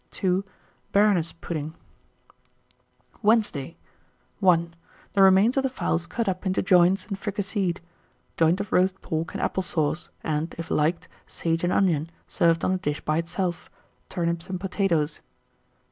2. Baroness pudding. 1905. Wednesday. 1. The remains of the fowls cut up into joints and fricasseed; joint of roast pork and apple sauce, and, if liked, sage and onion, served on a dish by itself; turnips and potatoes.